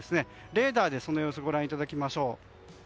レーダーでその様子をご覧いただきましょう。